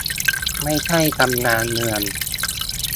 ไม่ใช่ตำนานเมือง